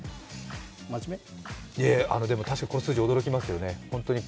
確かに、この数字驚きますよね。